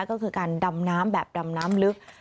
ก็คือการดำน้ำแบบดำน้ำลึก